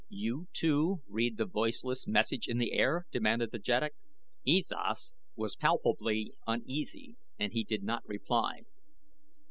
"You, too, read the voiceless message in the air?" demanded the jeddak. E Thas was palpably uneasy and he did not reply.